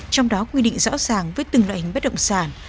trong đó quy định rõ ràng với từng loại hình bất động sản